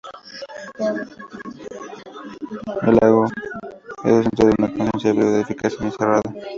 El lago Goose es el centro de una cuenca hidrográfica semi-cerrada.